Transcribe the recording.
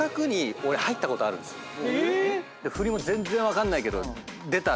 振りも全然分かんないけど出たんですね。